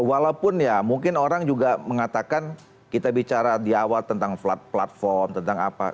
walaupun ya mungkin orang juga mengatakan kita bicara di awal tentang platform tentang apa